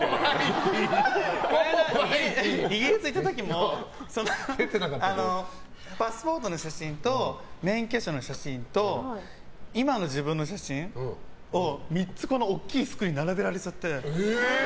イギリス行った時もパスポートの写真と免許証の写真と今の自分の写真を３つ、大きいスクリーンに並べられちゃって。